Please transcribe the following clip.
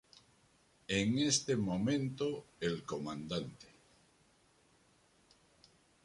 En este momento el comandante.